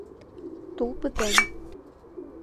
— Тул пытен.